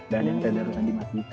dan yang tanda arusan di masjid